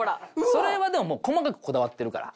それはでも細かくこだわってるから。